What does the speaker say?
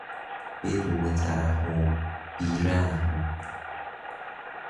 بدون ترحم، بیرحم